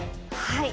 はい。